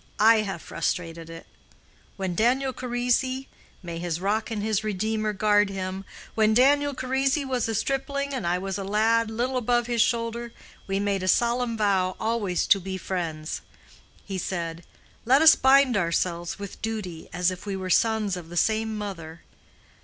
I have frustrated it. When Daniel Charisi—may his Rock and his Redeemer guard him!—when Daniel Charisi was a stripling and I was a lad little above his shoulder, we made a solemn vow always to be friends. He said, 'Let us bind ourselves with duty, as if we were sons of the same mother.